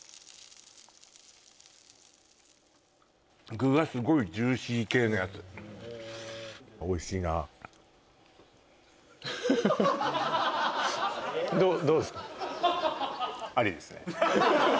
具がすごいジューシー系のやつおいしいなどうどうですか？